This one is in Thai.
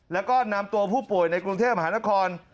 แล้วก็นำตัวผู้ป่วยในกรุงเทพมหานคร